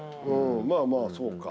まあまあそうか。